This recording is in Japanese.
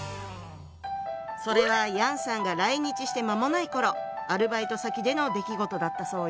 それは楊さんが来日して間もない頃アルバイト先での出来事だったそうよ。